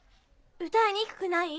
歌いにくくない？